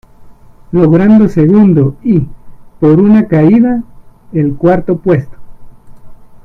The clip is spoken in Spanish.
Logrando segundo y, por una caída, el cuarto puesto.